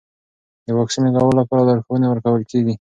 د واکسین لګولو لپاره لارښوونې ورکول کېږي.